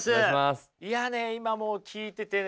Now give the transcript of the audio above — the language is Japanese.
いやね今もう聞いててね